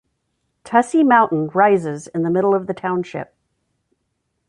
Tussey Mountain rises in the middle of the township.